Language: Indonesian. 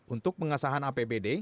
untuk pengasahan apbd